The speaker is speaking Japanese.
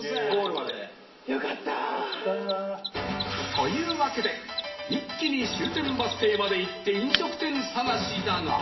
というわけで一気に終点バス停まで行って飲食店探しだが